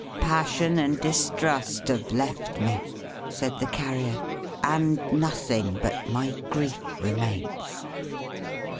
"Passion and distrust have left me!" said the Carrier; "and nothing but my grief remains.